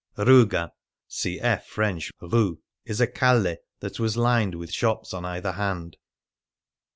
Ruga {cf. French rue) is a calk thnt was lined with shops on either hand.